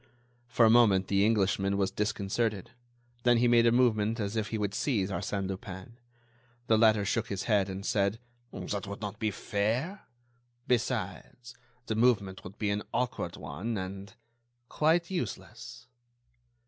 For a moment the Englishman was disconcerted; then he made a movement as if he would seize Arsène Lupin. The latter shook his head, and said: "That would not be fair; besides, the movement would be an awkward one and ... quite useless."